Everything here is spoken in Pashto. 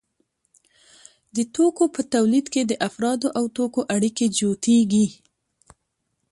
د توکو په تولید کې د افرادو او توکو اړیکې جوتېږي